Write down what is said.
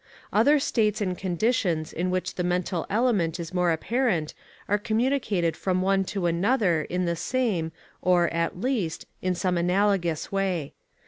Other states and conditions in which the mental element is more apparent are communicated from one to another in the same or, at least, in some analogous way.